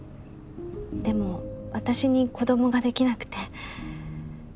でも私に子供ができなくて。